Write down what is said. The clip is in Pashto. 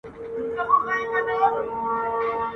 له اوره تش خُم د مُغان دی نن خُمار کرلی ..